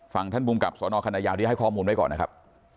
ท่านภูมิกับสนคณะยาวที่ให้ข้อมูลไว้ก่อนนะครับ